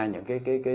những cái tật của thai